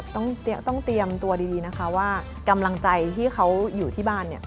ต้องเตรียมตัวดีนะคะว่ากำลังใจที่เขาอยู่ที่บ้านเนี่ย